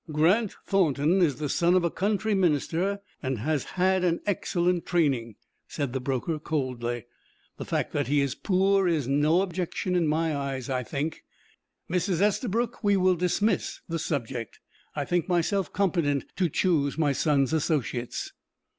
"Grant Thornton is the son of a country minister, and has had an excellent training," said the broker, coldly. "The fact that he is poor is no objection in my eyes. I think, Mrs. Estabrook, we will dismiss the subject. I think myself competent to choose my son's associates."